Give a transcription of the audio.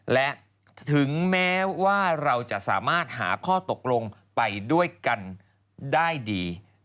และถึงแม้ว่าเราจะสามารถหาข้อตกลงไปด้วยกันได้ดี